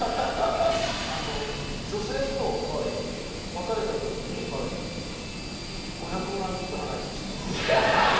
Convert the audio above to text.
女性と別れた時に５００万ずつ払いました。